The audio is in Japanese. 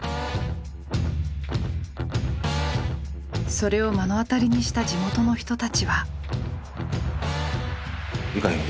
それを目の当たりにした地元の人たちは。